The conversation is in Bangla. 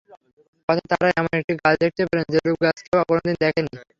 পথে তারা এমন একটি গাছ দেখতে পেলেন, যেরূপ গাছ কেউ কোনদিন দেখেনি।